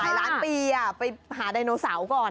หลายล้านปีไปหาไดโนเสาร์ก่อน